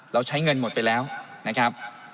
ใช้เงินหมดไปแล้วนะครับ